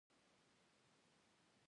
ایا زه باید قرآن ولولم؟